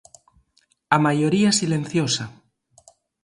A 'maioría silenciosa'.